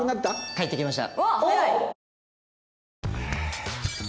返ってきました。